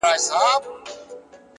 پوهه د فکر رڼا ډېروي!